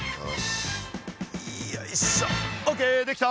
よいしょオッケーできた！